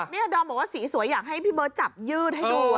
นี่ดอมบอกว่าสีสวยอยากให้พี่เบิร์ตจับยืดให้ดู